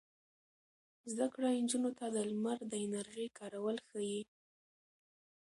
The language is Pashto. زده کړه نجونو ته د لمر د انرژۍ کارول ښيي.